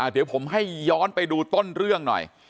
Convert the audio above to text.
เดี๋ยวผมให้ย้อนไปดูต้นเรื่องหน่อย